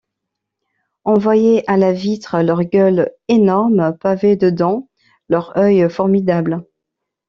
On voyait, à la vitre, leur gueule énorme pavée de dents, leur œil formidable.